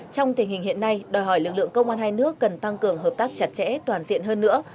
trong tình hình hiện nay đòi hỏi lực lượng công an hai nước cần tăng cường hợp tác chặt chẽ toàn diện hơn nữa